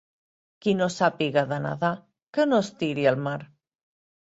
Qui no sàpiga de nedar que no es tiri al mar.